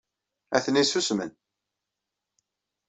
Atni susmen.